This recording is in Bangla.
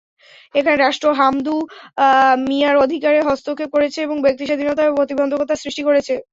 এখানে রাষ্ট্র হামদু মিয়ার অধিকারে হস্তক্ষেপ করেছে এবং ব্যক্তিস্বাধীনতায়ও প্রতিবন্ধকতা সৃষ্টি করেছে।